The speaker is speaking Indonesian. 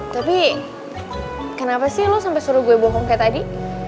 tapi kenapa sih sampe lo suruh gue bohong kaya tadi